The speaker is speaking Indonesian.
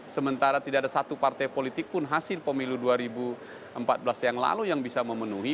sementara tidak ada satu partai politik pun hasil pemilu dua ribu empat belas yang lalu yang bisa memenuhi